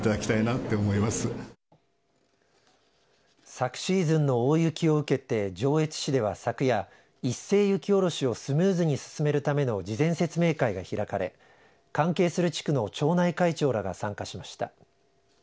昨シーズンの大雪を受けて上越市では昨夜、一斉雪下ろしをスムーズに進めるための事前説明会が開かれ関係する地区の町内会長らが参加しました。